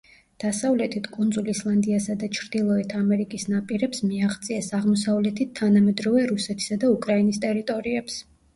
დასავლეთით კუნძულ ისლანდიასა და ჩრდილოეთ ამერიკის ნაპირებს მიაღწიეს, აღმოსავლეთით თანამედროვე რუსეთისა და უკრაინის ტერიტორიებს.